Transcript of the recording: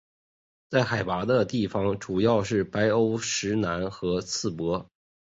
在海拔的地方主要是白欧石楠和刺柏。